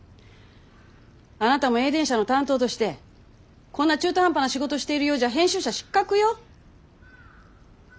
あなたもＥＩＤＥＮＳＨＡの担当としてこんな中途半端な仕事しているようじゃ編集者失格よ！